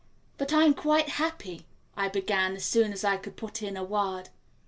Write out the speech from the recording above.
"But I am quite happy," I began, as soon as I could put in a word.